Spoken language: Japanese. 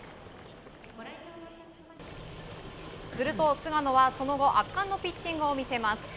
すると、菅野はその後圧巻のピッチングを見せます。